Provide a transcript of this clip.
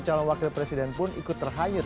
calon wakil presiden pun ikut terhanyut